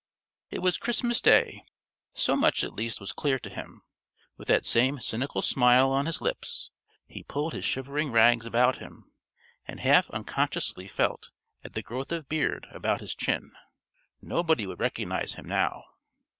_) It was Christmas day, so much at least was clear to him. With that same cynical smile on his lips, he pulled his shivering rags about him, and half unconsciously felt at the growth of beard about his chin. Nobody would recognise him now.